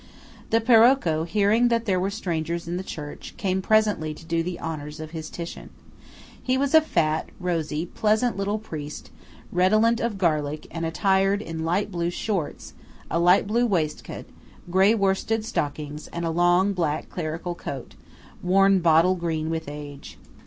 The Parocco, hearing that there were strangers in the church, came presently to do the honours of his Titian. He was a fat, rosy, pleasant little priest, redolent of garlic, and attired in light blue shorts, a light blue waistcoat, grey worsted stockings, and a long, black clerical coat, worn bottle green with age.